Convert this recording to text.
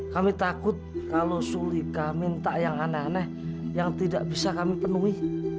kami takut kalau sulika minta yang aneh aneh yang tidak bisa kami penuhi